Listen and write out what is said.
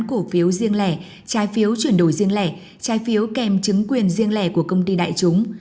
cổ phiếu riêng lẻ trái phiếu chuyển đổi riêng lẻ trái phiếu kèm chứng quyền riêng lẻ của công ty đại chúng